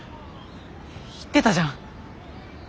言ってたじゃん。